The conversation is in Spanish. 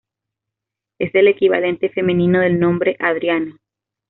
Es el equivalente femenino del nombre Adriano.